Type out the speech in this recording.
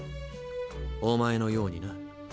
お前のようにな。